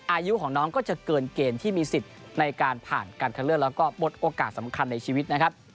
อายุของน้องก็จะเกินเกณฑ์ที่มีสิทธิ์ในการผ่านการคัดเลือกแล้วก็หมดโอกาสสำคัญในชีวิตนะครับ